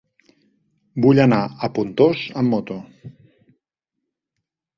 Vull anar a Pontós amb moto.